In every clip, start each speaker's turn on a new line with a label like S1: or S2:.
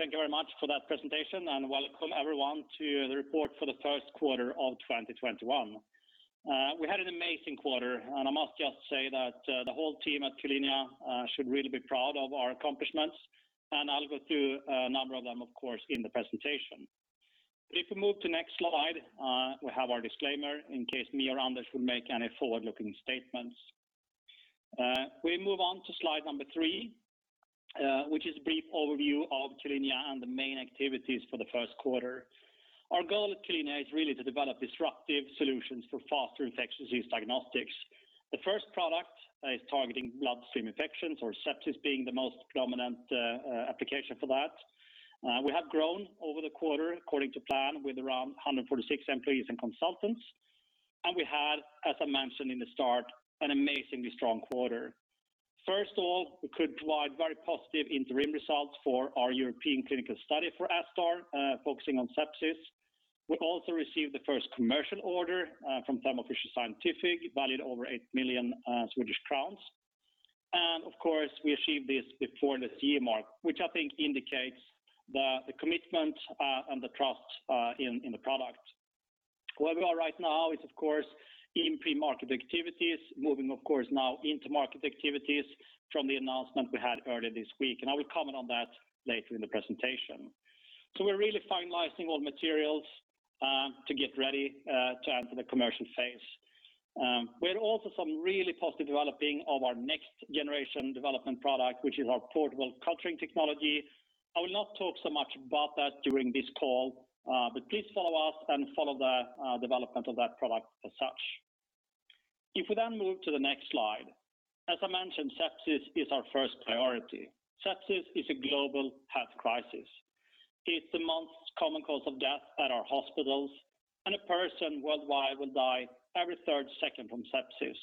S1: Thank you very much for that presentation. Welcome, everyone, to the report for the first quarter of 2021. We had an amazing quarter. I must just say that the whole team at Q-linea should really be proud of our accomplishments. I'll go through a number of them, of course, in the presentation. If we move to next slide, we have our disclaimer in case me or Anders will make any forward-looking statements. We move on to slide number three, which is a brief overview of Q-linea and the main activities for the first quarter. Our goal at Q-linea is really to develop disruptive solutions for faster infectious disease diagnostics. The first product is targeting bloodstream infections, or sepsis, being the most prominent application for that. We have grown over the quarter according to plan, with around 146 employees and consultants. We had, as I mentioned in the start, an amazingly strong quarter. First of all, we could provide very positive interim results for our European clinical study for ASTar, focusing on sepsis. We also received the first commercial order from Thermo Fisher Scientific, valued over 8 million Swedish crowns. Of course, we achieved this before the CE mark, which I think indicates the commitment and the trust in the product. Where we are right now is, of course, in pre-market activities, moving now into market activities from the announcement we had earlier this week, and I will comment on that later in the presentation. We're really finalizing all materials to get ready to enter the commercial phase. We have also some really positive development of our next generation development product, which is our portable culturing technology. I will not talk so much about that during this call, but please follow us and follow the development of that product as such. If we move to the next slide. As I mentioned, sepsis is our first priority. Sepsis is a global health crisis. It's the most common cause of death at our hospitals. A person worldwide will die every third second from sepsis.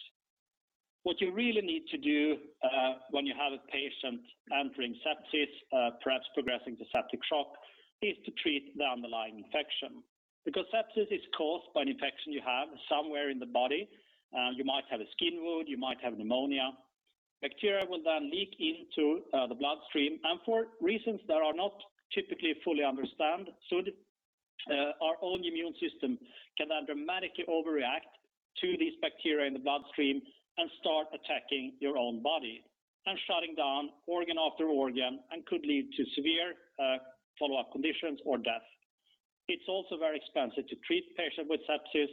S1: What you really need to do when you have a patient entering sepsis, perhaps progressing to septic shock, is to treat the underlying infection. Sepsis is caused by an infection you have somewhere in the body. You might have a skin wound, you might have pneumonia. Bacteria will then leak into the bloodstream, and for reasons that are not typically fully understood, our own immune system can then dramatically overreact to these bacteria in the bloodstream and start attacking your own body and shutting down organ after organ and could lead to severe follow-up conditions or death. It's also very expensive to treat patients with sepsis,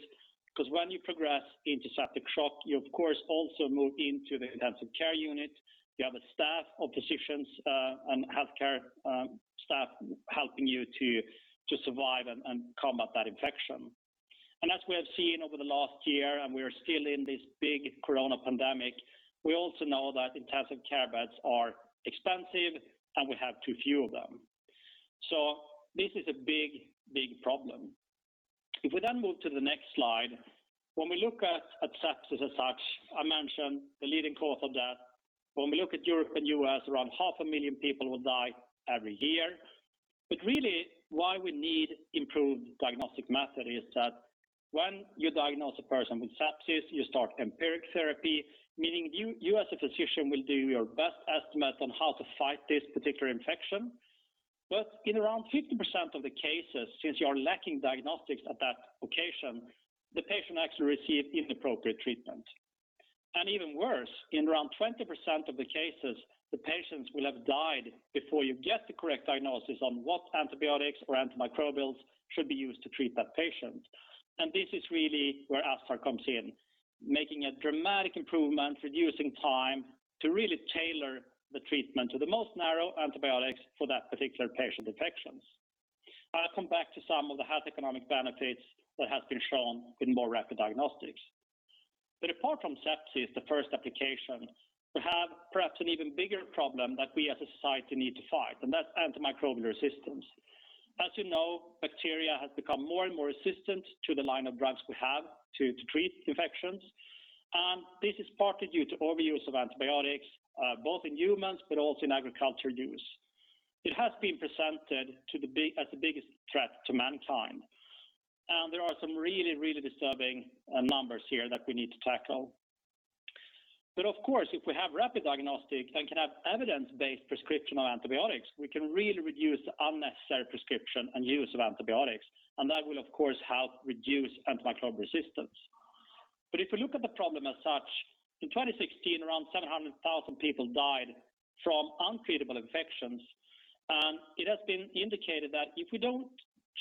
S1: because when you progress into septic shock, you of course also move into the intensive care unit. You have a staff of physicians and healthcare staff helping you to survive and combat that infection. As we have seen over the last year, and we are still in this big corona pandemic, we also know that intensive care beds are expensive, and we have too few of them. This is a big problem. If we then move to the next slide. When we look at sepsis as such, I mentioned the leading cause of death. When we look at Europe and U.S., around half a million people will die every year. Really why we need improved diagnostic method is that when you diagnose a person with sepsis, you start empiric therapy, meaning you as a physician will do your best estimate on how to fight this particular infection. In around 50% of the cases, since you are lacking diagnostics at that location, the patient actually received inappropriate treatment. Even worse, in around 20% of the cases, the patients will have died before you get the correct diagnosis on what antibiotics or antimicrobials should be used to treat that patient. This is really where ASTar comes in, making a dramatic improvement, reducing time to really tailor the treatment to the most narrow antibiotics for that particular patient infections. I'll come back to some of the health economic benefits that have been shown in more rapid diagnostics. Apart from sepsis, the first application, we have perhaps an even bigger problem that we as a society need to fight, and that's antimicrobial resistance. As you know, bacteria has become more and more resistant to the line of drugs we have to treat infections. This is partly due to overuse of antibiotics, both in humans but also in agriculture use. It has been presented as the biggest threat to mankind. There are some really disturbing numbers here that we need to tackle. Of course, if we have rapid diagnostics and can have evidence-based prescription of antibiotics, we can really reduce unnecessary prescription and use of antibiotics, and that will of course help reduce antimicrobial resistance. If you look at the problem as such, in 2016, around 700,000 people died from untreatable infections. It has been indicated that if we don't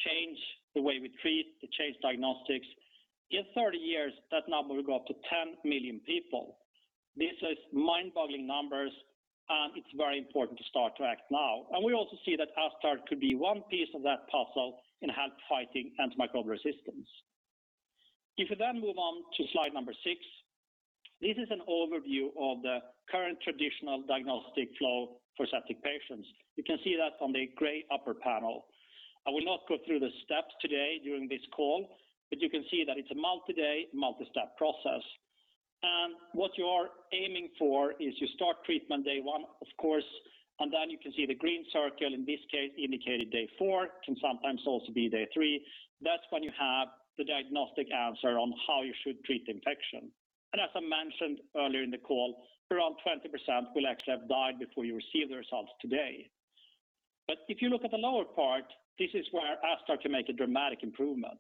S1: change the way we treat, change diagnostics, in 30 years, that number will go up to 10 million people. This is mind-boggling numbers, and it's very important to start to right now. We also see that ASTar could be one piece of that puzzle in help fighting antimicrobial resistance. If we then move on to slide number six. This is an overview of the current traditional diagnostic flow for septic patients. You can see that from the gray upper panel. I will not go through the steps today during this call, but you can see that it's a multi-day, multi-step process. What you are aiming for is you start treatment day one, of course, then you can see the green circle, in this case, indicating day four, can sometimes also be day three. That's when you have the diagnostic answer on how you should treat the infection. As I mentioned earlier in the call, around 20% will actually have died before you receive the results today. If you look at the lower part, this is where ASTar can make a dramatic improvement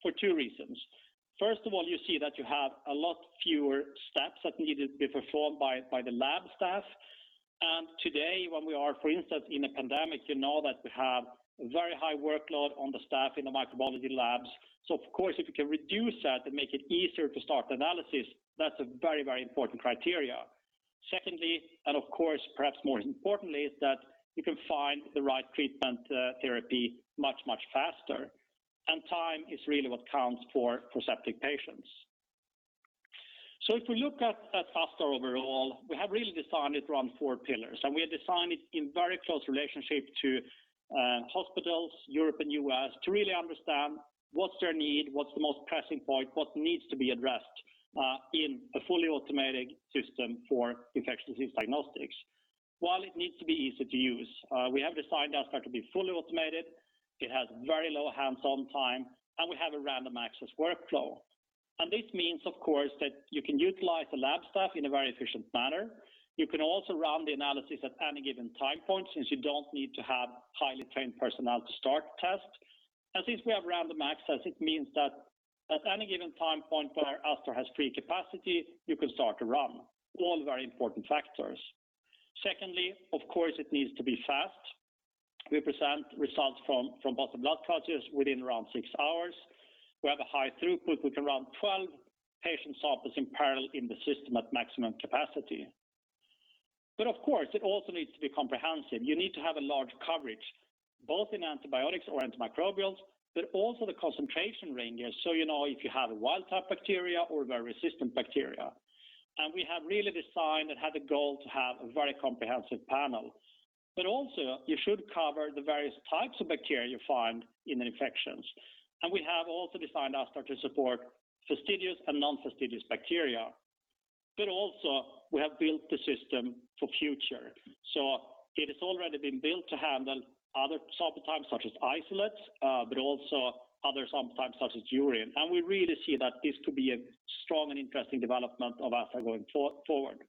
S1: for two reasons. First of all, you see that you have a lot fewer steps that need to be performed by the lab staff. Today, when we are, for instance, in a pandemic, you know that we have a very high workload on the staff in the microbiology labs. Of course, if we can reduce that and make it easier to start analysis, that's a very important criteria. Secondly, of course, perhaps more importantly, is that you can find the right treatment therapy much faster. Time is really what counts for septic patients. If we look at ASTar overall, we have really designed it around four pillars, and we have designed it in very close relationship to hospitals, Europe and U.S., to really understand what's their need, what's the most pressing point, what needs to be addressed in a fully automated system for infectious disease diagnostics. While it needs to be easy to use, we have designed ASTar to be fully automated. It has very low hands-on time, and we have a random access workflow. This means, of course, that you can utilize the lab staff in a very efficient manner. You can also run the analysis at any given time point, since you don't need to have highly trained personnel to start tests. Since we have random access, it means that at any given time point where ASTar has free capacity, you can start a run. All very important factors. Secondly, of course, it needs to be fast. We present results from both the blood cultures within around six hours. We have a high throughput. We can run 12 patient samples in parallel in the system at maximum capacity. Of course, it also needs to be comprehensive. You need to have a large coverage, both in antibiotics or antimicrobials, but also the concentration ranges, so you know if you have a wild type bacteria or very resistant bacteria. We have really designed and had a goal to have a very comprehensive panel. Also you should cover the various types of bacteria you find in infections. We have also designed ASTar to support fastidious and non-fastidious bacteria. Also we have built the system for future. It has already been built to handle other sample types such as isolates, but also other sample types such as urine. We really see that this could be a strong and interesting development of ASTar going forward.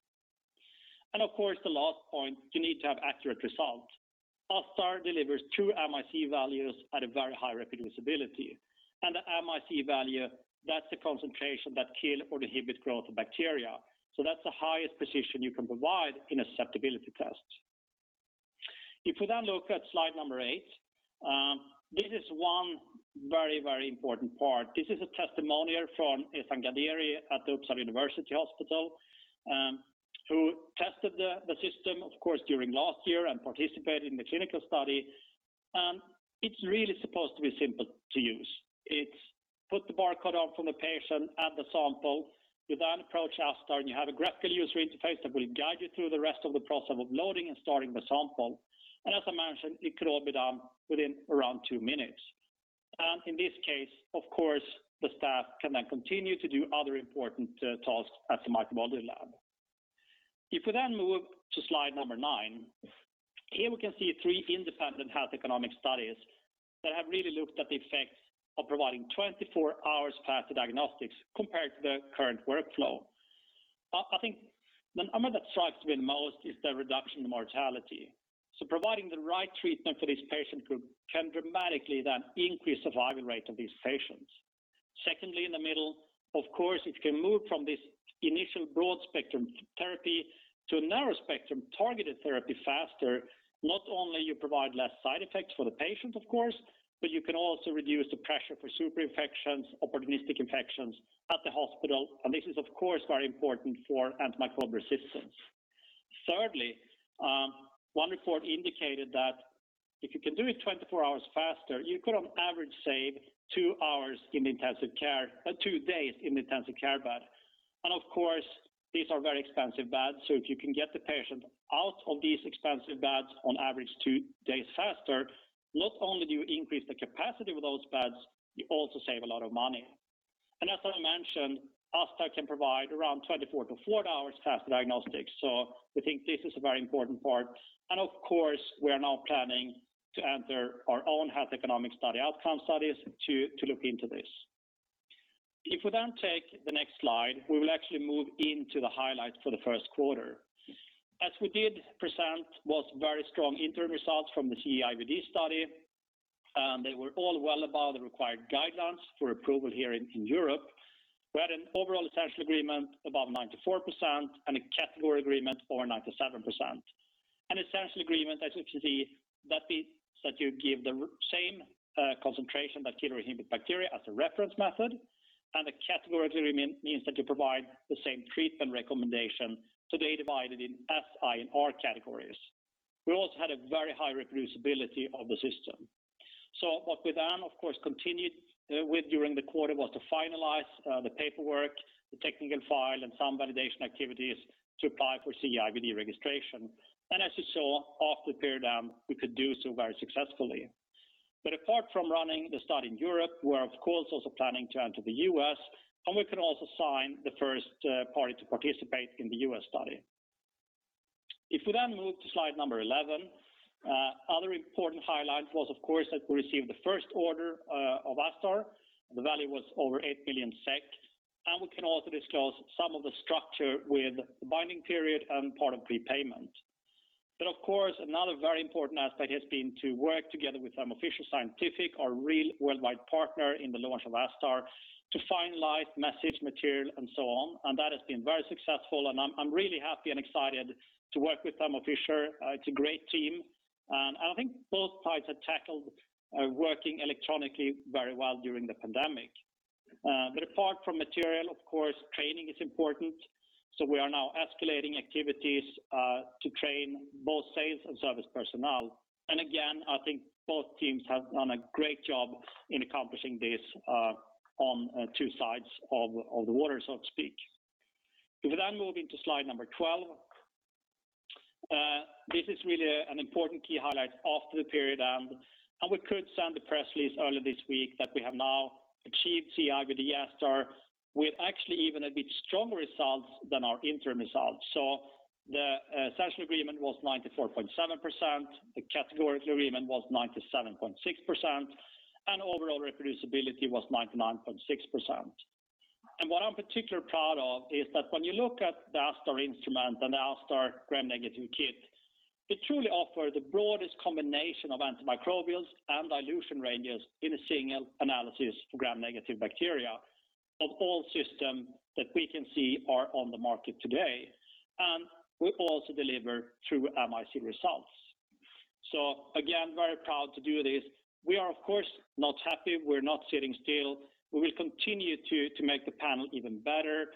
S1: Of course, the last point, you need to have accurate results. ASTar delivers two MIC values at a very high reproducibility. The MIC value, that's the concentration that kill or inhibit growth of bacteria. That's the highest precision you can provide in a susceptibility test. If we look at slide number eight, this is one very important part. This is a testimonial from Ehsan Ghaderi at Uppsala University Hospital, who tested the system, of course, during last year and participated in the clinical study. It's really supposed to be simple to use, put the barcode on from the patient, add the sample. You then approach ASTar, you have a graphical user interface that will guide you through the rest of the process of loading and starting the sample. As I mentioned, it could all be done within around two minutes. In this case, of course, the staff can then continue to do other important tasks at the microbiology lab. If we then move to slide number nine, here we can see three independent health economic studies that have really looked at the effects of providing 24 hours faster diagnostics compared to the current workflow. I think the number that strikes me the most is the reduction in mortality. Providing the right treatment for this patient group can dramatically then increase survival rate of these patients. Secondly, in the middle, of course, if you can move from this initial broad-spectrum therapy to a narrow-spectrum targeted therapy faster. Not only you provide less side effects for the patient, of course, but you can also reduce the pressure for super infections, opportunistic infections at the hospital, and this is, of course, very important for antimicrobial resistance. Thirdly, one report indicated that if you can do it 24 hours faster, you could on average save two days in the intensive care bed. Of course, these are very expensive beds, so if you can get the patient out of these expensive beds on average two days faster, not only do you increase the capacity of those beds, you also save a lot of money. As I mentioned, ASTar can provide around 24-48 hours faster diagnostics. We think this is a very important part. Of course, we are now planning to enter our own health economic study outcome studies to look into this. If we then take the next slide, we will actually move into the highlights for the first quarter. As we did present was very strong interim results from the CE-IVD study, and they were all well above the required guidelines for approval here in Europe. We had an overall essential agreement above 94% and a category agreement over 97%. An essential agreement, as you can see, that you give the same concentration that kill or inhibit bacteria as a reference method, and a category agreement means that you provide the same treatment recommendation, so they divide it in S, I, and R categories. We also had a very high reproducibility of the system. What we then, of course, continued with during the quarter was to finalize the paperwork, the technical file, and some validation activities to apply for CE-IVD registration. As you saw, half the period down, we could do so very successfully. Apart from running the study in Europe, we're of course also planning to enter the U.S., and we can also sign the first party to participate in the U.S. study. If we then move to slide number 11, other important highlight was, of course, that we received the first order of ASTar. The value was over 8 million SEK. We can also disclose some of the structure with the binding period and part of prepayment. Of course, another very important aspect has been to work together with Thermo Fisher Scientific, our real worldwide partner in the launch of ASTar, to finalize message material and so on. That has been very successful, and I'm really happy and excited to work with Thermo Fisher, it's a great team. I think both sides have tackled working electronically very well during the pandemic. Apart from material, of course, training is important, so we are now escalating activities to train both sales and service personnel. Again, I think both teams have done a great job in accomplishing this on two sides of the water, so to speak. If I then move into slide number 12. This is really an important key highlight after the period end, and we could send the press release earlier this week that we have now achieved CE-IVD with the ASTar, with actually even a bit stronger results than our interim results. The essential agreement was 94.7%, the categorical agreement was 97.6%, and overall reproducibility was 99.6%. What I'm particularly proud of is that when you look at the ASTar instrument and the ASTar Gram-negative kit, they truly offer the broadest combination of antimicrobials and dilution ranges in a single analysis for Gram-negative bacteria of all systems that we can see are on the market today. We also deliver true MIC results. Again, very proud to do this. We are, of course, not happy. We're not sitting still. We will continue to make the panel even better,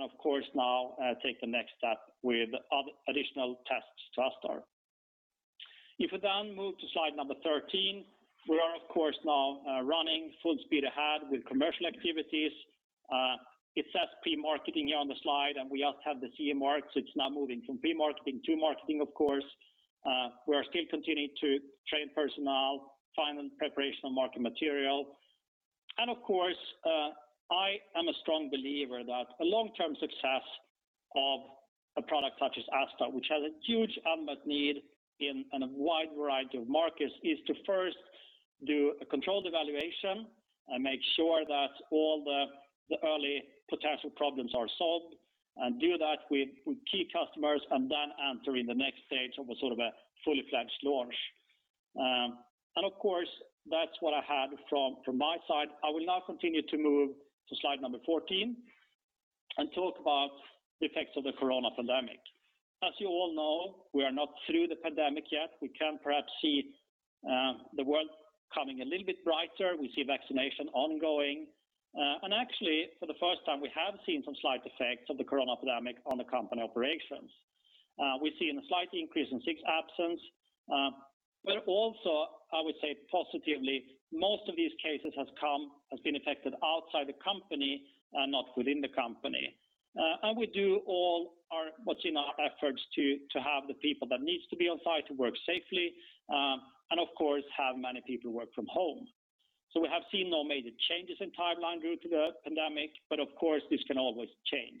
S1: of course now take the next step with additional tests to ASTar. If we then move to slide number 13, we are of course now running full speed ahead with commercial activities. It says pre-marketing here on the slide, we just have the CE mark, it's now moving from pre-marketing to marketing, of course. We are still continuing to train personnel, final preparation of market material. Of course, I am a strong believer that a long-term success of a product such as ASTar, which has a huge unmet need in a wide variety of markets, is to first do a controlled evaluation make sure that all the early potential problems are solved, and do that with key customers, then enter in the next stage of a sort of a fully-fledged launch. Of course, that's what I had from my side. I will now continue to move to slide number 14 and talk about the effects of the corona pandemic. As you all know, we are not through the pandemic yet. We can perhaps see the world becoming a little bit brighter. We see vaccination ongoing. Actually, for the first time, we have seen some slight effects of the corona pandemic on the company operations. We've seen a slight increase in sick absence. Also, I would say positively, most of these cases have been affected outside the company and not within the company. We do all what's in our efforts to have the people that needs to be on site to work safely, and of course, have many people work from home. We have seen no major changes in timeline due to the pandemic, but of course, this can always change.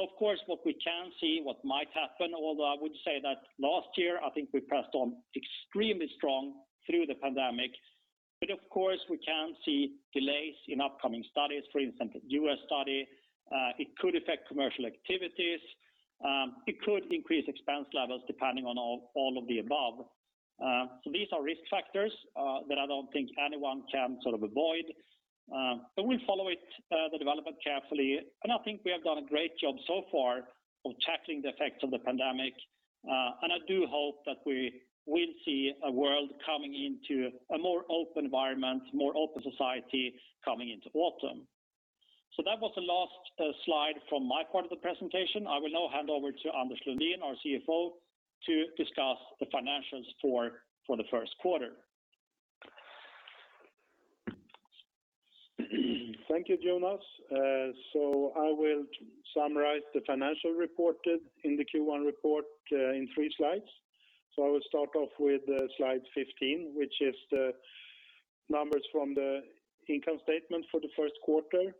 S1: Of course, what we can see what might happen, although I would say that last year, I think we pressed on extremely strong through the pandemic. Of course, we can see delays in upcoming studies, for instance, a U.S. study. It could affect commercial activities. It could increase expense levels depending on all of the above. These are risk factors that I don't think anyone can avoid. We follow the development carefully, and I think we have done a great job so far of tackling the effects of the pandemic. I do hope that we will see a world coming into a more open environment, more open society coming into autumn. That was the last slide from my part of the presentation. I will now hand over to Anders Lundin, our CFO, to discuss the financials for the first quarter.
S2: Thank you, Jonas. I will summarize the financial report in the Q1 report in three slides. I will start off with slide 15, which is the numbers from the income statement for the first quarter.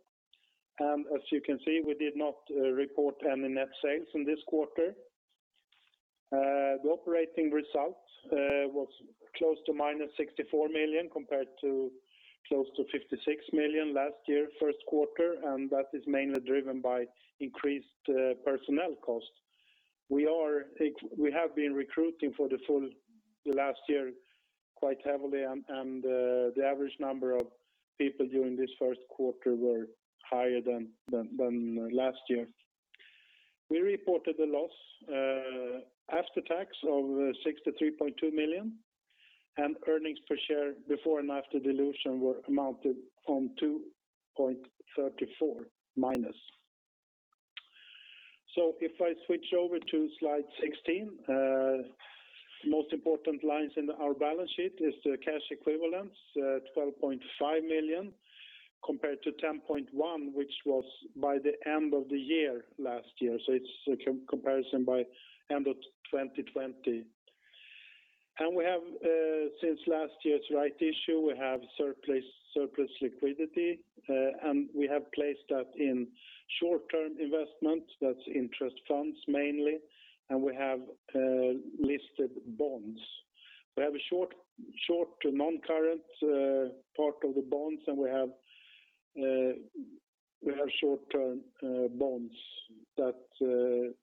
S2: As you can see, we did not report any net sales in this quarter. The operating result was close to -64 million compared to close to 56 million last year, first quarter, and that is mainly driven by increased personnel costs. We have been recruiting for the last year quite heavily. The average number of people during this first quarter were higher than last year. We reported the loss after tax of 63.2 million. Earnings per share before and after dilution were amounted on -2.34. If I switch over to slide 16, the most important lines in our balance sheet is the cash equivalents, 12.5 million, compared to 10.1 million, which was by the end of the year last year. It's a comparison by end of 2020. Since last year's right issue, we have surplus liquidity, and we have placed that in short-term investments. That's interest funds mainly. We have listed bonds. We have a short non-current part of the bonds, and we have short-term bonds that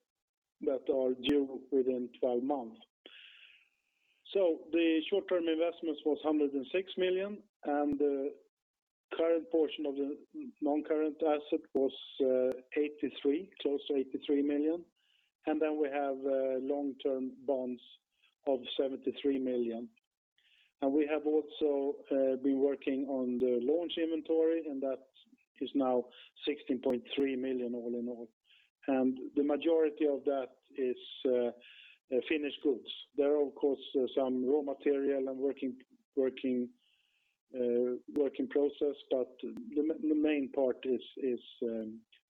S2: are due within 12 months. The short-term investments was 106 million, and the current portion of the non-current asset was close to 83 million. We have long-term bonds of 73 million. We have also been working on the launch inventory, and that is now 16.3 million all in all. The majority of that is finished goods. There are, of course, some raw material and working process, but the main part is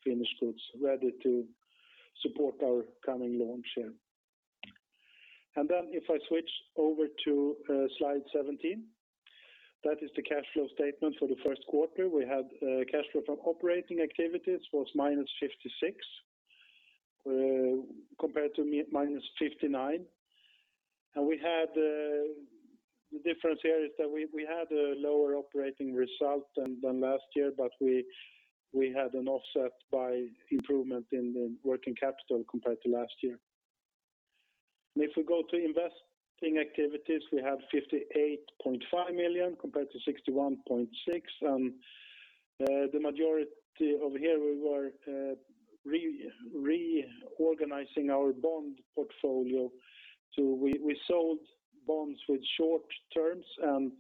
S2: finished goods ready to support our coming launch. If I switch over to slide 17, that is the cash flow statement for the first quarter. We had cash flow from operating activities was -56 million, compared to -59 million. The difference here is that we had a lower operating result than last year, but we had an offset by improvement in the working capital compared to last year. If we go to investing activities, we have 58.5 million compared to 61.6 million. The majority over here, we were reorganizing our bond portfolio. We sold bonds with short terms and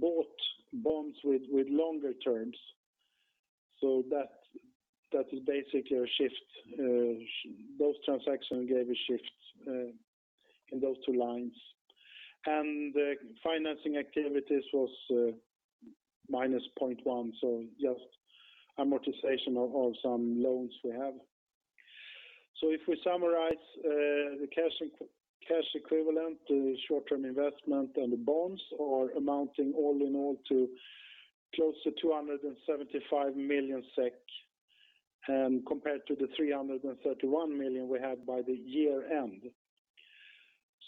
S2: bought bonds with longer terms. That is basically a shift. Both transactions gave a shift in those two lines. The financing activities was -0.1, just amortization of some loans we have. If we summarize the cash equivalent, the short-term investment, and the bonds are amounting all in all to close to 275 million SEK, compared to the 331 million we had by the year-end.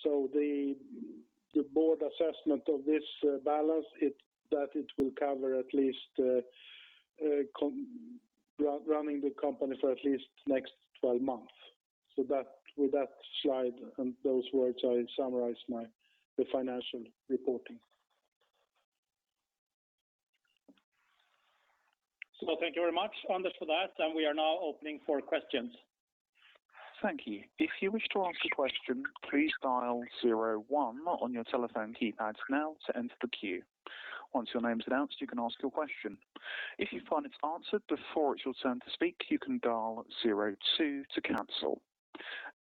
S2: The board assessment of this balance is that it will cover running the company for at least the next 12 months. With that slide and those words, I summarize the financial reporting.
S1: Thank you very much, Anders, for that. We are now opening for questions.
S3: Thank you. If you wish to ask a question, please dial zero one on your telephone keypad now to enter the queue. Once your name's announced, you can ask your question. If you find it answered before your turn to speak, you can dial zero two to cancel.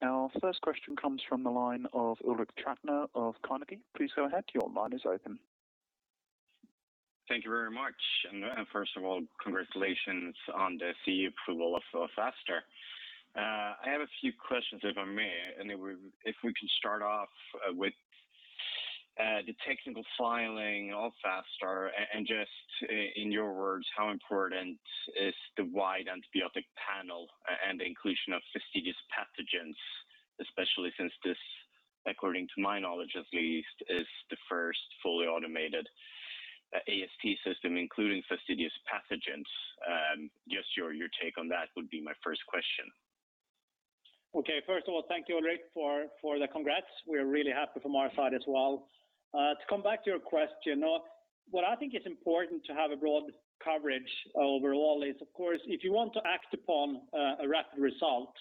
S3: Our first question comes from the line of Ulrik Trattner of Carnegie. Please go ahead, your line is open.
S4: Thank you very much. First of all, congratulations on the CE approval of ASTar. I have a few questions, if I may. If we can start off with the technical filing of ASTar. Just in your words, how important is the wide antibiotic panel and the inclusion of fastidious pathogens, especially since this, according to my knowledge at least, is the first fully automated AST system, including fastidious pathogens? Just your take on that would be my first question.
S1: Okay. First of all, thank you, Ulrik, for the congrats. We're really happy from our side as well. To come back to your question, what I think is important to have a broad coverage overall is, of course, if you want to act upon a rapid result,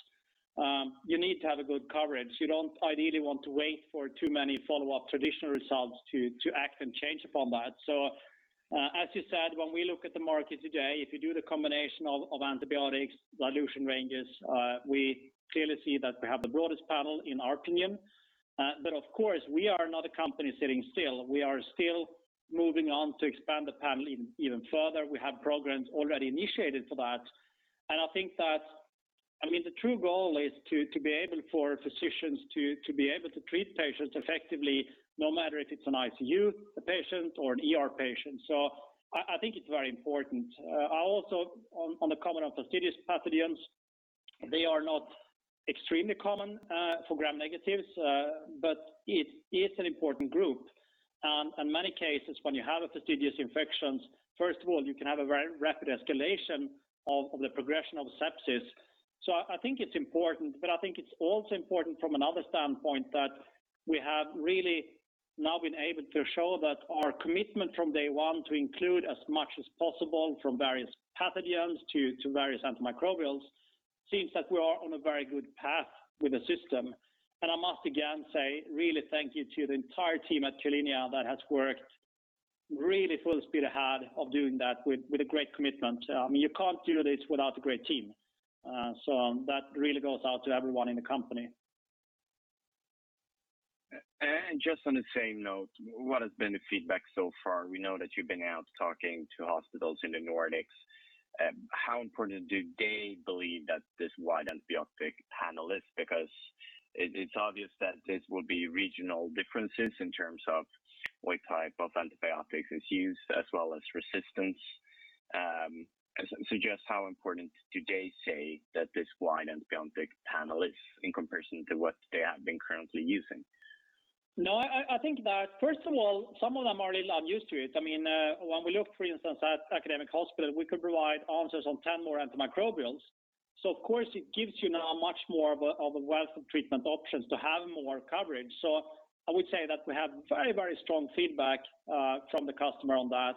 S1: you need to have a good coverage. You don't ideally want to wait for too many follow-up traditional results to act and change upon that. As you said, when we look at the market today, if you do the combination of antibiotics, dilution ranges, we clearly see that we have the broadest panel in our opinion. Of course, we are not a company sitting still. We are still moving on to expand the panel even further. We have programs already initiated for that. The true goal is for physicians to be able to treat patients effectively, no matter if it's an ICU patient or an ER patient. I think it's very important. On the comment of fastidious pathogens, they are not extremely common for Gram-negatives, but it is an important group. In many cases, when you have a fastidious infection, first of all, you can have a very rapid escalation of the progression of sepsis. I think it's important, but I think it's also important from another standpoint that we have really now been able to show that our commitment from day one to include as much as possible from various pathogens to various antimicrobials seems that we are on a very good path with the system. I must again say really thank you to the entire team at Q-linea that has worked really full speed ahead of doing that with a great commitment. You can't do this without a great team. That really goes out to everyone in the company.
S4: Just on the same note, what has been the feedback so far? We know that you've been out talking to hospitals in the Nordics. How important do they believe that this wide antibiotic panel is? It's obvious that this will be regional differences in terms of what type of antibiotics is used, as well as resistance. Suggest how important do they say that this wide antibiotic panel is in comparison to what they have been currently using?
S1: I think that first of all, some of them are a little unused to it. When we look, for instance, at academic hospitals, we could provide answers on 10 more antimicrobials. Of course, it gives you now much more of a wealth of treatment options to have more coverage. I would say that we have very strong feedback from the customer on that.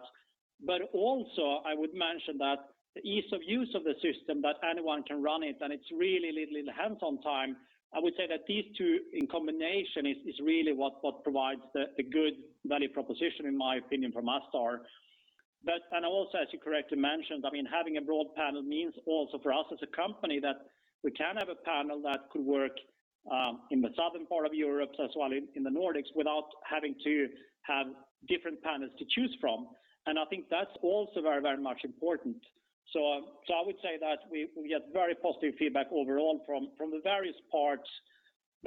S1: Also, I would mention that the ease of use of the system, that anyone can run it, and it's really little hands-on time. I would say that these two in combination is really what provides the good value proposition, in my opinion, from ASTar. As you correctly mentioned, having a broad panel means also for us as a company that we can have a panel that could work in the southern part of Europe as well in the Nordics without having to have different panels to choose from. I think that's also very much important. I would say that we get very positive feedback overall from the various parts.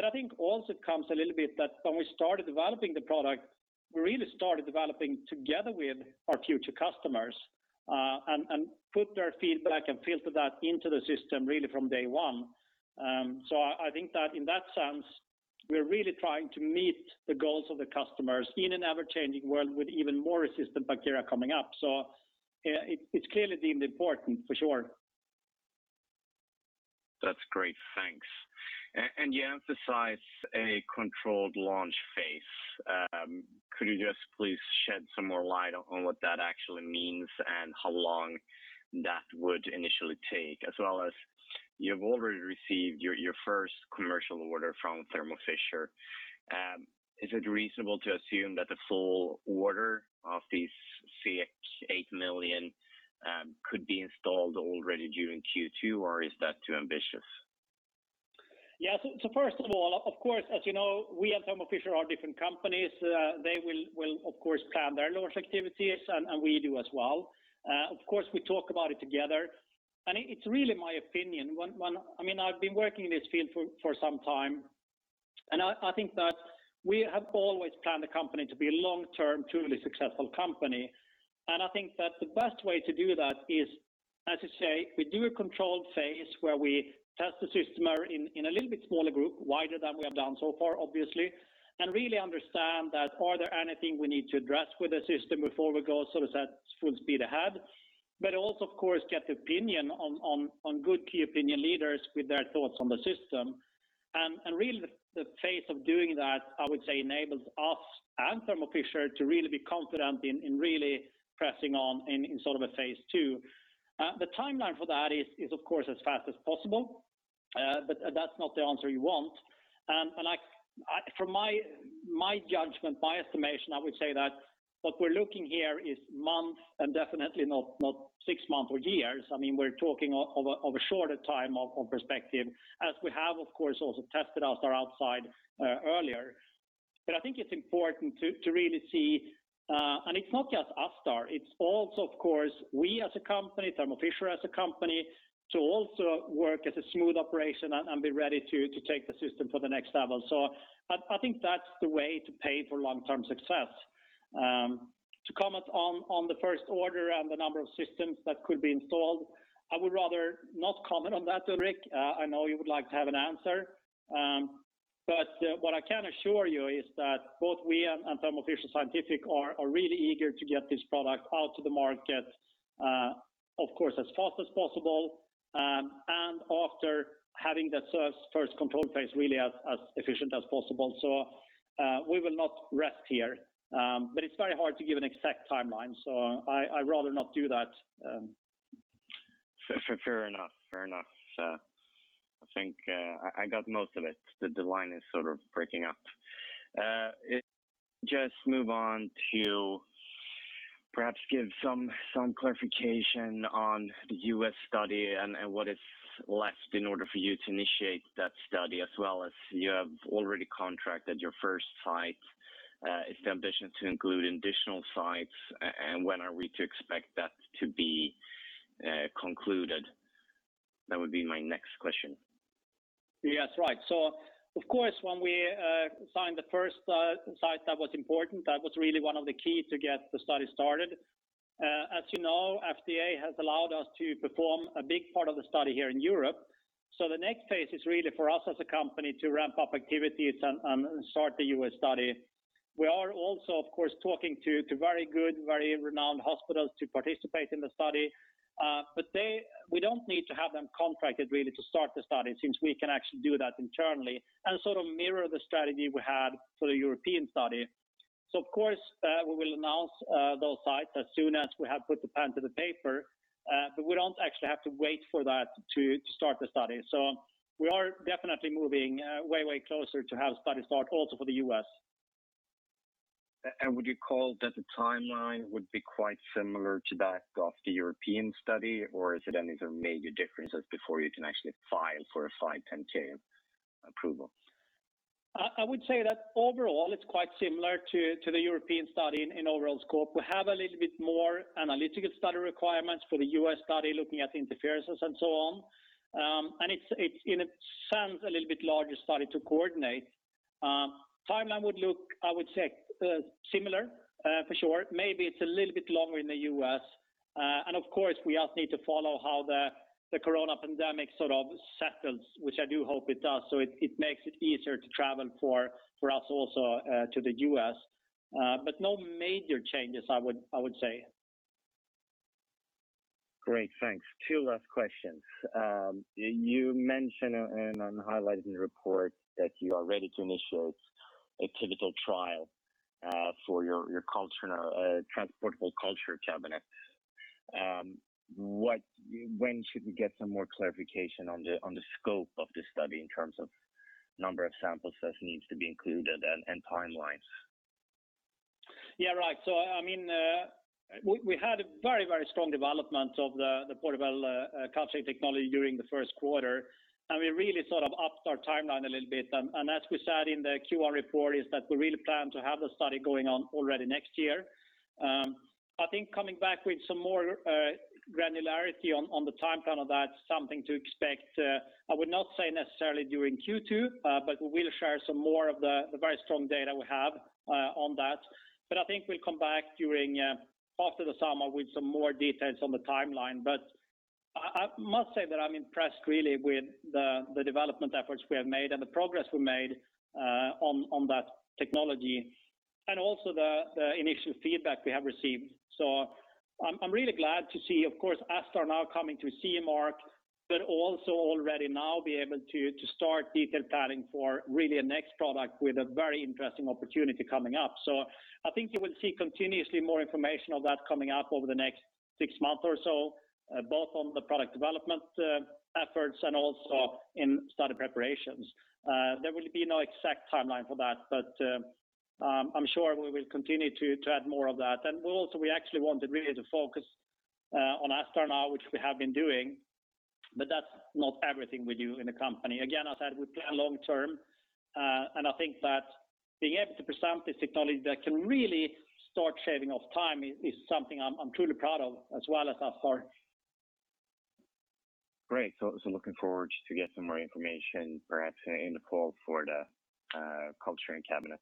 S1: I think also comes a little bit that when we started developing the product, we really started developing together with our future customers, and put their feedback and filtered that into the system really from day one. I think that in that sense, we're really trying to meet the goals of the customers in an ever-changing world with even more resistant bacteria coming up. It's clearly deemed important for sure.
S4: That's great. Thanks. You emphasize a controlled launch phase. Could you just please shed some more light on what that actually means and how long that would initially take? As well as you've already received your first commercial order from Thermo Fisher. Is it reasonable to assume that the full order of these 8 million could be installed already during Q2, or is that too ambitious?
S1: First of all, of course, as you know, we and Thermo Fisher are different companies. They will of course plan their launch activities, and we do as well. Of course, we talk about it together, and it's really my opinion. I've been working in this field for some time, and I think that we have always planned the company to be a long-term, truly successful company. I think that the best way to do that is, as you say, we do a controlled phase where we test the system in a little bit smaller group, wider than we have done so far, obviously, and really understand that are there anything we need to address with the system before we go full speed ahead? Also, of course, get opinion on good key opinion leaders with their thoughts on the system. Really, the phase of doing that, I would say, enables us and Thermo Fisher to really be confident in really pressing on in sort of a phase II. The timeline for that is, of course, as fast as possible. That's not the answer you want. From my judgment, my estimation, I would say that what we're looking here is months and definitely not six months or years. We're talking of a shorter time of perspective as we have, of course, also tested ASTar outside earlier. I think it's important to really see, and it's not just ASTar, it's also, of course, we as a company, Thermo Fisher as a company, to also work as a smooth operation and be ready to take the system for the next level. I think that's the way to pay for long-term success. To comment on the first order and the number of systems that could be installed, I would rather not comment on that, Ulrik. I know you would like to have an answer. What I can assure you is that both we and Thermo Fisher Scientific are really eager to get this product out to the market, of course, as fast as possible, and after having that first control phase really as efficient as possible. We will not rest here. It's very hard to give an exact timeline, I'd rather not do that.
S4: Fair enough. I think I got most of it. The line is sort of breaking up. Just move on to perhaps give some clarification on the U.S. study and what is left in order for you to initiate that study, as well as you have already contracted your first site. Is the ambition to include additional sites, and when are we to expect that to be concluded? That would be my next question.
S1: Yes. Right. Of course, when we signed the first site, that was important. That was really one of the keys to get the study started. As you know, FDA has allowed us to perform a big part of the study here in Europe. The next phase is really for us as a company to ramp up activities and start the U.S. study. We are also, of course, talking to very good, very renowned hospitals to participate in the study. We don't need to have them contracted really to start the study, since we can actually do that internally and sort of mirror the strategy we had for the European study. Of course, we will announce those sites as soon as we have put the pen to the paper. We don't actually have to wait for that to start the study. We are definitely moving way closer to have the study start also for the U.S.
S4: Would you call that the timeline would be quite similar to that of the European study, or is it any major differences before you can actually file for a 510(k) approval?
S1: I would say that overall, it's quite similar to the European study in overall scope. We have a little bit more analytical study requirements for the U.S. study, looking at interferences and so on. It's in a sense, a little bit larger study to coordinate. Timeline would look, I would say, similar for sure. Maybe it's a little bit longer in the U.S. Of course, we also need to follow how the coronavirus pandemic sort of settles, which I do hope it does, so it makes it easier to travel for us also to the U.S. No major changes, I would say.
S4: Great. Thanks. Two last questions. You mentioned, and highlighted in the report, that you are ready to initiate a pivotal trial for your transportable culture cabinet. When should we get some more clarification on the scope of this study in terms of number of samples that needs to be included and timelines?
S1: Yeah. Right. We had a very strong development of the portable culturing technology during the first quarter, and we really sort of upped our timeline a little bit. As we said in the Q1 report, is that we really plan to have the study going on already next year. I think coming back with some more granularity on the timeline of that, something to expect. I would not say necessarily during Q2, but we'll share some more of the very strong data we have on that. I think we'll come back after the summer with some more details on the timeline. I must say that I'm impressed really with the development efforts we have made and the progress we made on that technology and also the initial feedback we have received. I'm really glad to see, of course, ASTar now coming to CE mark, but also already now be able to start detail planning for really a next product with a very interesting opportunity coming up. I think you will see continuously more information on that coming up over the next six months or so, both on the product development efforts and also in study preparations. There will be no exact timeline for that, but I'm sure we will continue to add more of that. Also we actually wanted really to focus on ASTar now, which we have been doing, but that's not everything we do in the company. Again, as I said, we plan long term, and I think that being able to present this technology that can really start shaving off time is something I'm truly proud of, as well as our board.
S4: Great. Looking forward to get some more information perhaps in the fall for the culturing cabinet.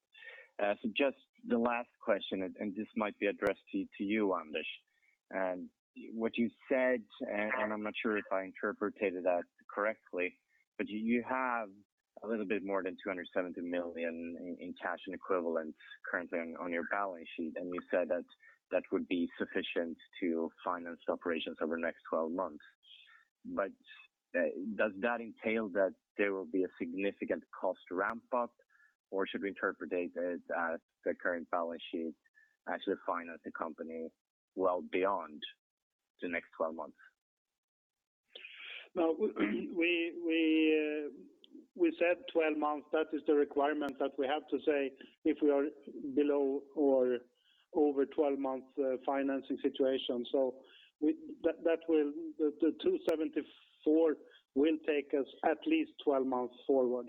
S4: Just the last question, this might be addressed to you, Anders. What you said, I'm not sure if I interpreted that correctly, you have a little bit more than 270 million in cash and equivalents currently on your balance sheet, you said that that would be sufficient to finance operations over the next 12 months. Does that entail that there will be a significant cost ramp up, or should we interpret it as the current balance sheet actually finance the company well beyond the next 12 months?
S2: No. We said 12 months. That is the requirement that we have to say if we are below or over 12 months financing situation. The 274 million will take us at least 12 months forward.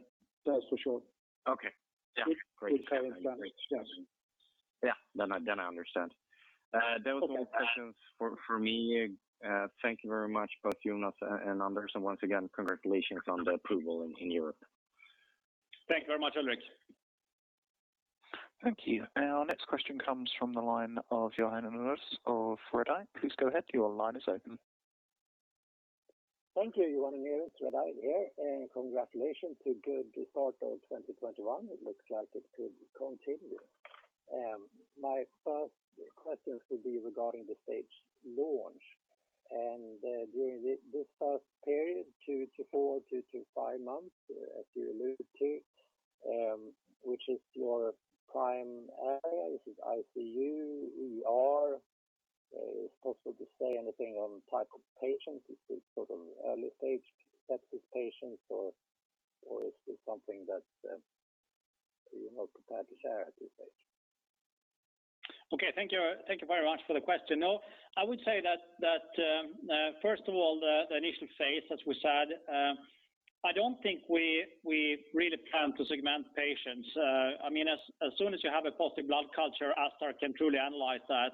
S2: That's for sure.
S4: Okay. Yeah. Great.
S2: With current plans. Yes.
S4: Yeah. I understand.
S2: Okay.
S4: Those were all the questions for me. Thank you very much, both Jonas and Anders, and once again, congratulations on the approval in Europe.
S1: Thank you very much, Ulrik.
S3: Thank you. Our next question comes from the line of Johan Unnérus of Redeye. Please go ahead. Your line is open.
S5: Thank you. Johan Unnérus, Redeye here. Congratulations to good start of 2021. It looks like it could continue. My first questions will be regarding the stage launch and during this first period, two to four, two to five months, as you alluded to, which is your prime area? Is it ICU, ER? Is it possible to say anything on type of patients? Is this sort of early stage septic patients, or is this something that you're not prepared to share at this stage?
S1: Okay. Thank you very much for the question. I would say that first of all, the initial phase, as we said, I don't think we really plan to segment patients. As soon as you have a positive blood culture, ASTar can truly analyze that.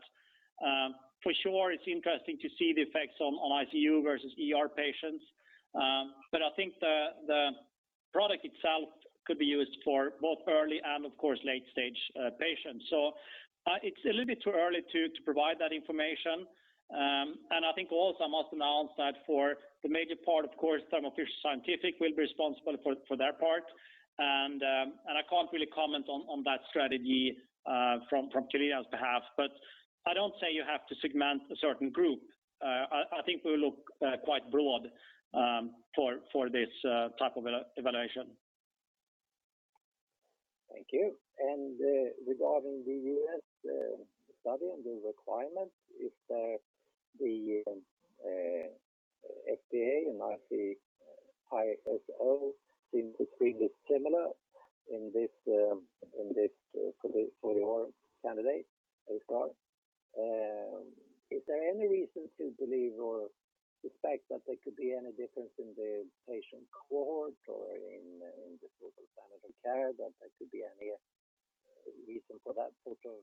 S1: For sure, it's interesting to see the effects on ICU versus ER patients. I think the product itself could be used for both early and, of course, late stage patients. It's a little bit too early to provide that information. I think also I must announce that for the major part, of course, Thermo Fisher Scientific will be responsible for their part. I can't really comment on that strategy from Q-linea's behalf. I don't say you have to segment a certain group. I think we'll look quite broad for this type of evaluation.
S5: Thank you. Regarding the U.S. study and the requirement, if the FDA and ISO seem to be pretty similar in this for your candidate, ASTar. Is there any reason to believe or suspect that there could be any difference in the patient cohort or in the standard of care, that there could be any reason for that sort of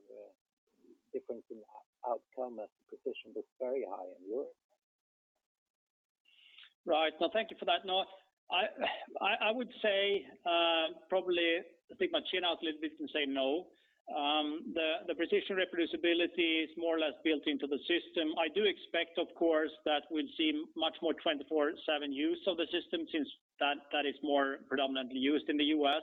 S5: difference in outcome as the position was very high in Europe?
S1: Right. Thank you for that. I would stick my chin out a little bit and say no. The precision reproducibility is more or less built into the system. I do expect, of course, that we'll see much more 24/7 use of the system since that is more predominantly used in the U.S.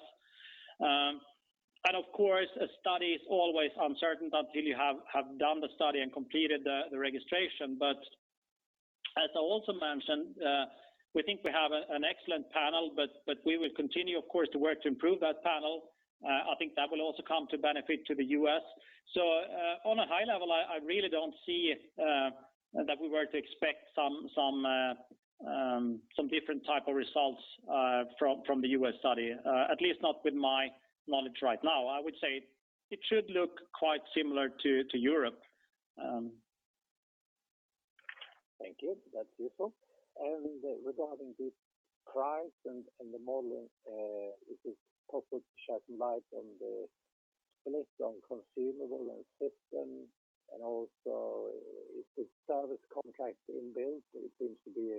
S1: Of course, a study is always uncertain until you have done the study and completed the registration. As I also mentioned, we think we have an excellent panel, but we will continue, of course, to work to improve that panel. I think that will also come to benefit to the U.S. On a high level, I really don't see that we were to expect some different type of results from the U.S. study, at least not with my knowledge right now. I would say it should look quite similar to Europe.
S5: Thank you. That is useful. Regarding the price and the model, is it possible to shine some light on the split on consumable and system, and also is the service contract in-built? It seems to be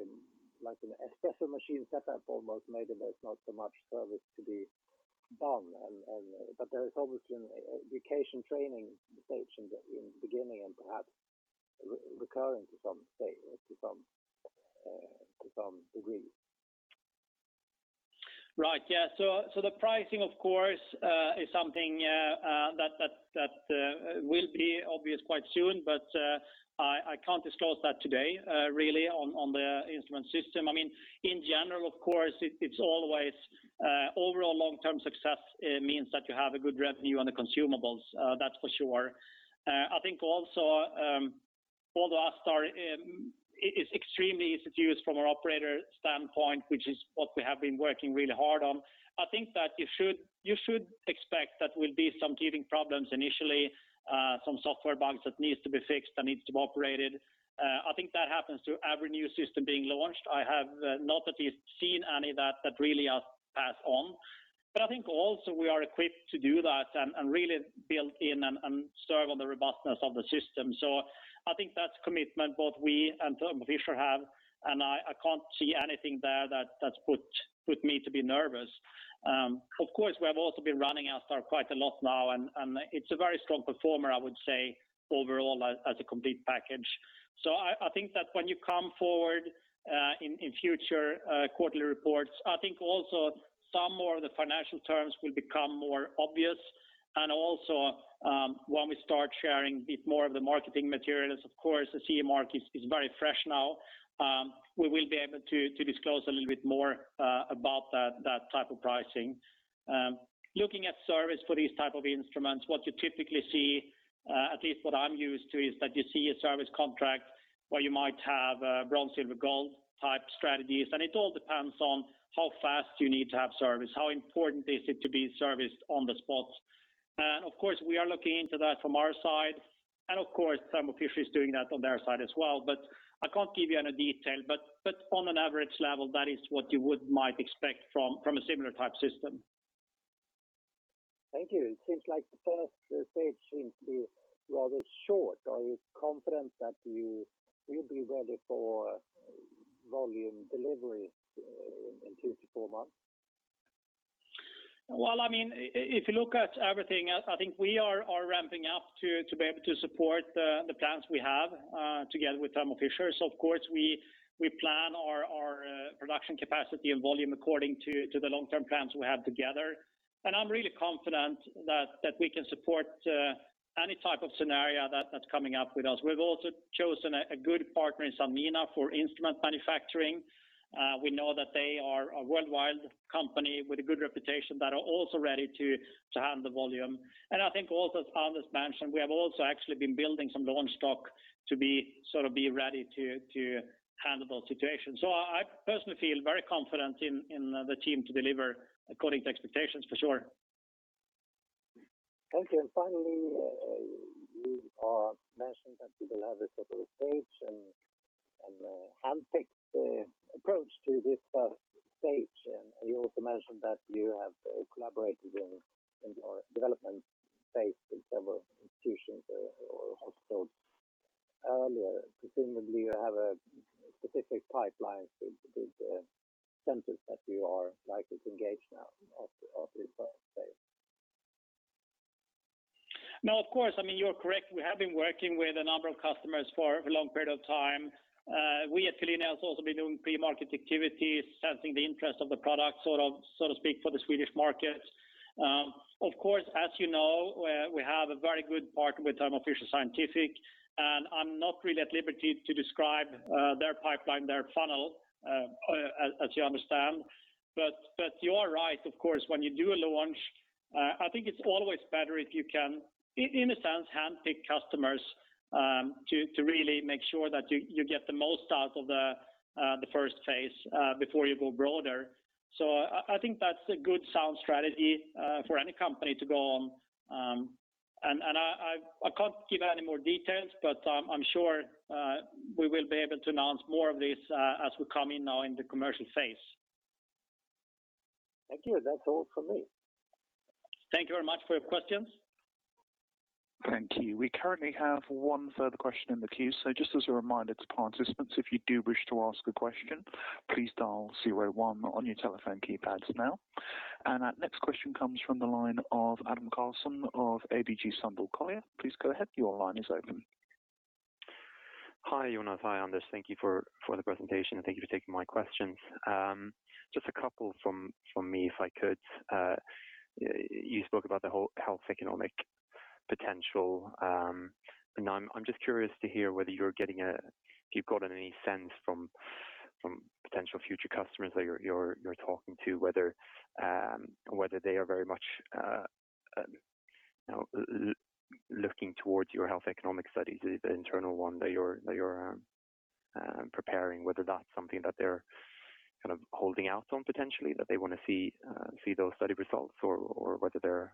S5: like a special machine set up almost made that there is not so much service to be done. There is obviously an education training stage in the beginning and perhaps recurring to some degree.
S1: Right. Yeah. The pricing, of course, is something that will be obvious quite soon, but I can't disclose that today, really, on the instrument system. In general, of course, it's always overall long-term success means that you have a good revenue on the consumables, that's for sure. I think also, although ASTar is extremely easy to use from an operator standpoint, which is what we have been working really hard on, I think that you should expect that will be some teething problems initially, some software bugs that needs to be fixed, that needs to be operated. I think that happens to every new system being launched. I have not at least seen any that really has passed on. I think also we are equipped to do that and really built in and serve on the robustness of the system. I think that's commitment both we and Thermo Fisher have, and I can't see anything there that's put me to be nervous. Of course, we have also been running ASTar quite a lot now, and it's a very strong performer, I would say, overall, as a complete package. I think that when you come forward in future quarterly reports, I think also some more of the financial terms will become more obvious. Also, when we start sharing a bit more of the marketing materials, of course, the CE mark is very fresh now. We will be able to disclose a little bit more about that type of pricing. Looking at service for these type of instruments, what you typically see, at least what I'm used to, is that you see a service contract where you might have a bronze, silver, gold type strategies. It all depends on how fast you need to have service, how important is it to be serviced on the spot. Of course, we are looking into that from our side, and of course, Thermo Fisher is doing that on their side as well. I can't give you any detail, but on an average level, that is what you might expect from a similar type system.
S5: Thank you. It seems like the first stage seems to be rather short. Are you confident that you will be ready for volume delivery in two to four months?
S1: Well, if you look at everything, I think we are ramping up to be able to support the plans we have together with Thermo Fisher. Of course, we plan our production capacity and volume according to the long-term plans we have together. I'm really confident that we can support any type of scenario that's coming up with us. We've also chosen a good partner in Sanmina for instrument manufacturing. We know that they are a worldwide company with a good reputation that are also ready to handle volume. I think also, as Anders mentioned, we have also actually been building some launch stock to be ready to handle those situations. I personally feel very confident in the team to deliver according to expectations, for sure.
S5: Thank you. Finally, you mentioned that you will have a sort of stage and handpicked approach to this first stage, and you also mentioned that you have collaborated in your development phase with several institutions or hospitals earlier. Presumably, you have a specific pipeline with these centers that you are likely to engage now of this first phase.
S1: No, of course. You're correct. We have been working with a number of customers for a long period of time. We at Q-linea have also been doing pre-market activities, sensing the interest of the product, so to speak, for the Swedish market. As you know, we have a very good partner with Thermo Fisher Scientific. I'm not really at liberty to describe their pipeline, their funnel, as you understand. You are right, of course, when you do a launch, I think it's always better if you can, in a sense, handpick customers to really make sure that you get the most out of the first phase before you go broader. I think that's a good, sound strategy for any company to go on. I can't give any more details, but I'm sure we will be able to announce more of this as we come in now in the commercial phase.
S5: Thank you. That's all from me.
S1: Thank you very much for your questions.
S3: Thank you. We currently have one further question in the queue. Just as a reminder to participants, if you do wish to ask a question, please dial zero one on your telephone keypads now. Our next question comes from the line of Adam Karlsson of ABG Sundal Collier. Please go ahead. Your line is open.
S6: Hi, Jonas. Hi, Anders. Thank you for the presentation, and thank you for taking my questions. Just a couple from me, if I could. You spoke about the whole health economic potential. Now I'm just curious to hear if you've gotten any sense from potential future customers that you're talking to, whether they are very much looking towards your health economic studies, the internal one that you're preparing? Whether that's something that they're holding out on potentially, that they want to see those study results, or whether they're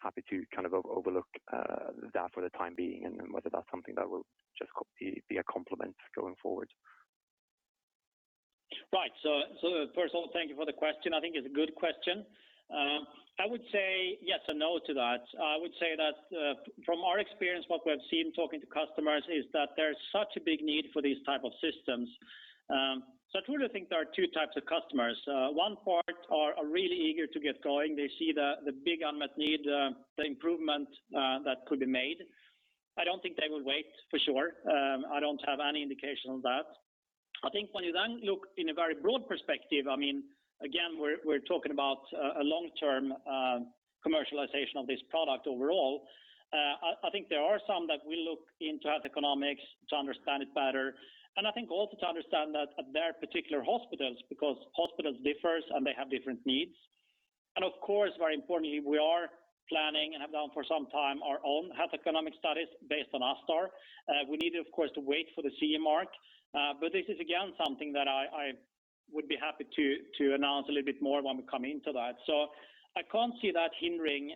S6: happy to overlook that for the time being, and then whether that's something that will just be a complement going forward?
S1: Right. First of all, thank you for the question. I think it's a good question. I would say yes and no to that. I would say that from our experience, what we have seen talking to customers is that there's such a big need for these type of systems. I truly think there are two types of customers. One part are really eager to get going. They see the big unmet need, the improvement that could be made. I don't think they will wait, for sure. I don't have any indication on that. I think when you then look in a very broad perspective, again, we're talking about a long-term commercialization of this product overall. I think there are some that will look into health economics to understand it better, and I think also to understand that at their particular hospitals, because hospitals differ and they have different needs. Of course, very importantly, we are planning, and have done for some time, our own health economic studies based on ASTar. We need, of course, to wait for the CE mark. This is, again, something that I would be happy to announce a little bit more when we come into that. I can't see that hindering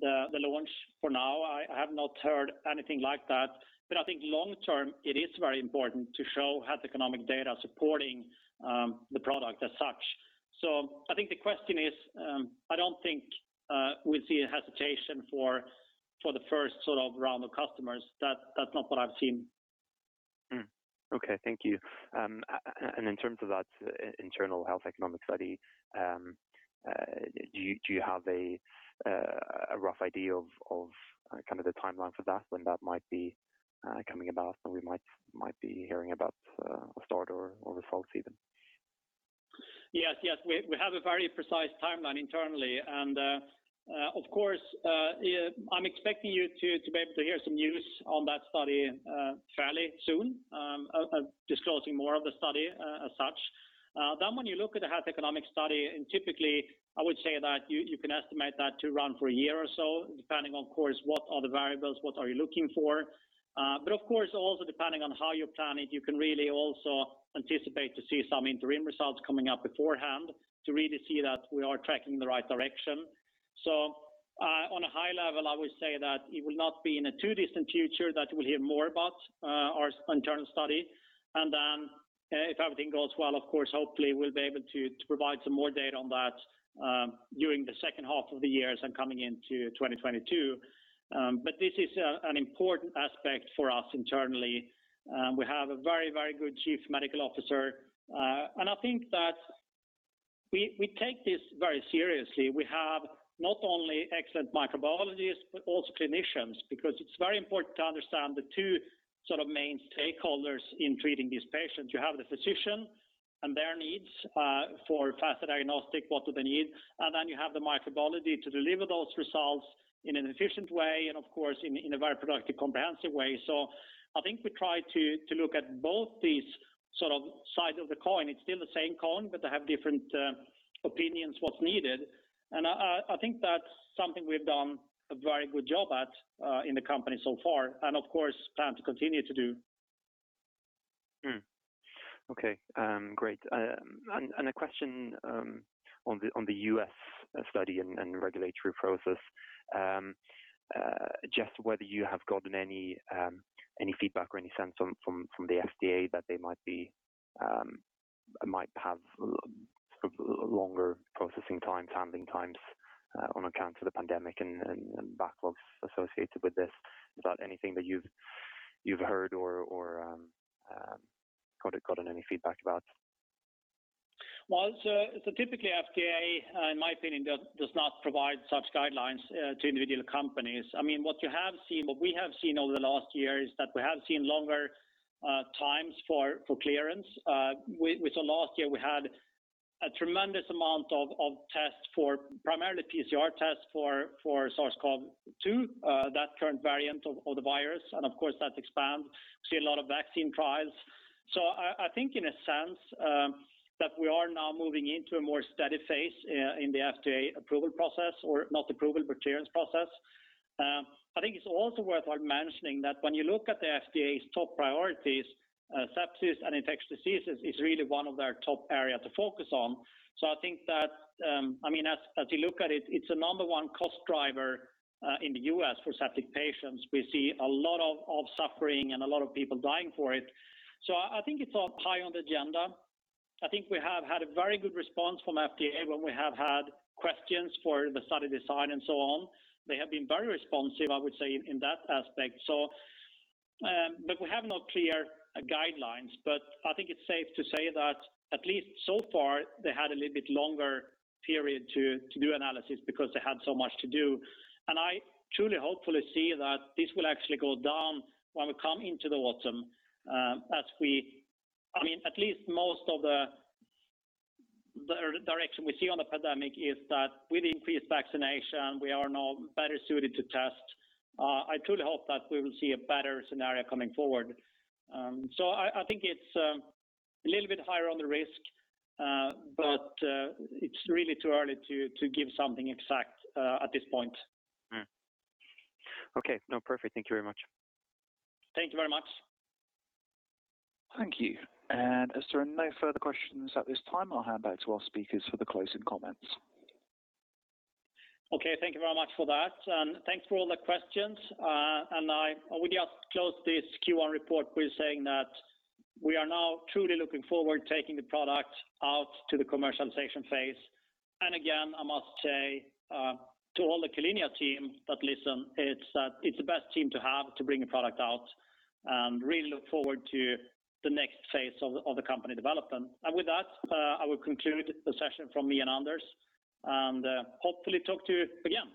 S1: the launch for now. I have not heard anything like that. I think long term, it is very important to show health economic data supporting the product as such. I think the question is, I don't think we'll see a hesitation for the first round of customers. That's not what I've seen.
S6: Okay. Thank you. In terms of that internal health economic study, do you have a rough idea of the timeline for that, when that might be coming about, and we might be hearing about ASTar or results even?
S1: Yes. We have a very precise timeline internally. Of course, I'm expecting you to be able to hear some news on that study fairly soon, disclosing more of the study as such. When you look at the health economic study, typically, I would say that you can estimate that to run for one year or so, depending, of course, what are the variables, what are you looking for. Of course, also depending on how you plan it, you can really also anticipate to see some interim results coming up beforehand to really see that we are tracking the right direction. On a high level, I would say that it will not be in a too distant future that we'll hear more about our internal study. If everything goes well, of course, hopefully we'll be able to provide some more data on that during the second half of the year as I'm coming into 2022. This is an important aspect for us internally. We have a very good Chief Medical Officer. I think that we take this very seriously. We have not only excellent microbiologists, but also clinicians, because it's very important to understand the two main stakeholders in treating these patients. You have the physician and their needs for faster diagnostic, what do they need. You have the microbiologist to deliver those results in an efficient way and, of course, in a very productive, comprehensive way. I think we try to look at both these sides of the coin. It's still the same coin, but they have different opinions what's needed. I think that's something we've done a very good job at in the company so far. Of course, plan to continue to do.
S6: Okay. Great. A question on the U.S. study and regulatory process. Just whether you have gotten any feedback or any sense from the FDA that they might have longer processing times, handling times on account of the pandemic and backlogs associated with this. Is that anything that you've heard or gotten any feedback about?
S1: Well, typically, FDA, in my opinion, does not provide such guidelines to individual companies. What we have seen over the last year is that we have seen longer times for clearance. With the last year, we had a tremendous amount of tests for primarily PCR tests for SARS-CoV-2, that current variant of the virus. Of course, that's expanded. We see a lot of vaccine trials. I think in a sense, that we are now moving into a more steady phase in the FDA approval process, or not approval, but clearance process. I think it's also worthwhile mentioning that when you look at the FDA's top priorities, sepsis and infectious diseases is really one of their top areas to focus on. I think that as you look at it's a number one cost driver in the U.S. for septic patients. We see a lot of suffering and a lot of people dying for it. I think it's up high on the agenda. I think we have had a very good response from FDA when we have had questions for the study design and so on. They have been very responsive, I would say, in that aspect. We have no clear guidelines, but I think it's safe to say that at least so far, they had a little bit longer period to do analysis because they had so much to do. I truly, hopefully see that this will actually go down when we come into the autumn. At least most of the direction we see on the pandemic is that with increased vaccination, we are now better suited to test. I truly hope that we will see a better scenario coming forward. I think it's a little bit higher on the risk, but it's really too early to give something exact at this point.
S6: Okay. No, perfect. Thank you very much.
S1: Thank you very much.
S3: Thank you. As there are no further questions at this time, I'll hand back to our speakers for the closing comments.
S1: Okay. Thank you very much for that. Thanks for all the questions. I would just close this Q1 report with saying that we are now truly looking forward to taking the product out to the commercialization phase. Again, I must say to all the Q-linea team that listen, it's the best team to have to bring a product out, and really look forward to the next phase of the company development. With that, I will conclude the session from me and Anders, and hopefully talk to you again.